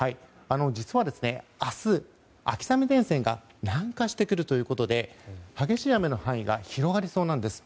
実は明日、秋雨前線が南下してくるということで激しい雨の範囲が広がりそうなんです。